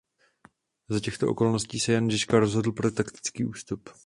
Za těchto okolností se Jan Žižka rozhodl pro taktický ústup.